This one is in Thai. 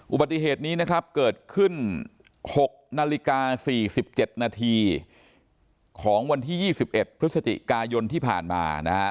อุบัติเหตุนี้นะครับเกิดขึ้น๖นาฬิกา๔๗นาทีของวันที่๒๑พฤศจิกายนที่ผ่านมานะฮะ